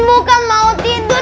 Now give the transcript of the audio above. bukan mau tidur nanti aku nyusul